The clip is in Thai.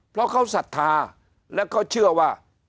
เพราะเขาศรัทธาและเขาเชื่อว่า